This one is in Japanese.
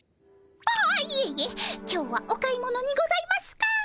ああいえいえ今日はお買い物にございますか？